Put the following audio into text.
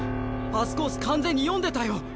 パスコース完全に読んでたよ。